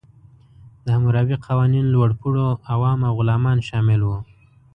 د حموربي قوانین لوړپوړو، عوام او غلامان شامل وو.